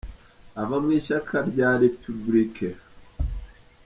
Ava mu ishyaka rya Les Republicains.